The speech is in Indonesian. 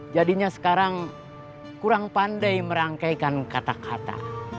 jadinya sekarang kurang pandai merangkaikan kata kata